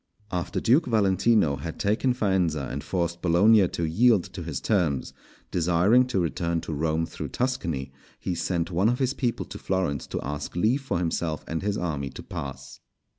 After Duke Valentino had taken Faenza and forced Bologna to yield to his terms, desiring to return to Rome through Tuscany, he sent one of his people to Florence to ask leave for himself and his army to pass.